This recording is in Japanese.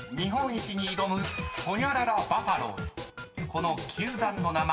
［この球団の名前